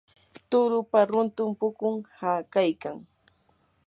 turupa runtu pukun hakaykan.